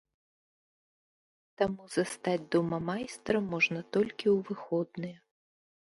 Таму застаць дома майстра можна толькі ў выходныя.